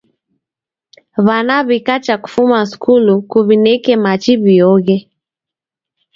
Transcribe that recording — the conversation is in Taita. W'ana wikacha kufuma skulu kuw'ineke machi wioghe.